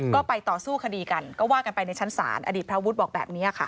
ก็ไปต่อสู้คดีกันก็ว่ากันไปในชั้นศาลอดีตพระวุฒิบอกแบบนี้ค่ะ